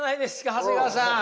長谷川さん。